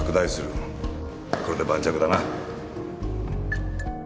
これで盤石だな。